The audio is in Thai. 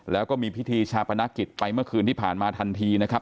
แล้วก็มีพิธีชาปนกิจไปเมื่อคืนที่ผ่านมาทันทีนะครับ